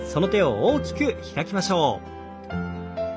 大きく開きましょう。